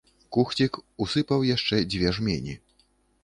Кухцік усыпаў яшчэ дзве жмені.